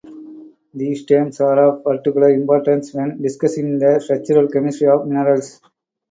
These terms are of particular importance when discussing the structural chemistry of minerals.